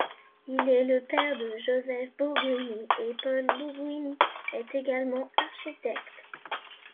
Il est le père de Joseph Bougoüin et Paul Bougoüin, également architectes.